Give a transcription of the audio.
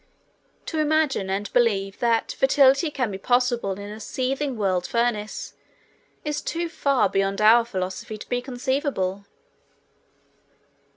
To imagine and believe that fertility can be possible in a seething world furnace, is too far beyond our philosophy to be conceivable.